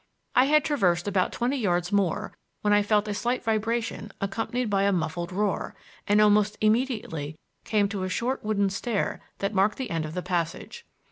I had traversed about twenty yards more when I felt a slight vibration accompanied by a muffled roar, and almost immediately came to a short wooden stair that marked the end of the passage.